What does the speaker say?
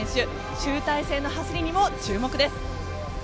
集大成の走りにも注目です。